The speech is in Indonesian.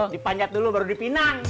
dipanjat dulu baru dipinang